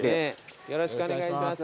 よろしくお願いします。